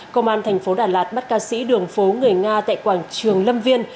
công an thành phố đà lạt bắt ca sĩ đường phố người nga tại quảng trường lâm viên